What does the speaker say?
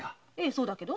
そうだけど。